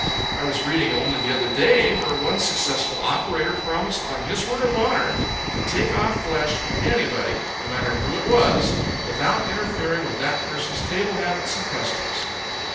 I was reading only the other day where one successful operator promised on his word of honor to take off flesh for anybody, no matter who it was, without interfering with that person's table habits and customs."